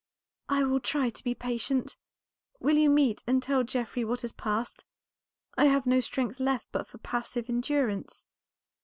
"I will try to be patient. Will you meet and tell Geoffrey what has passed? I have no strength left but for passive endurance."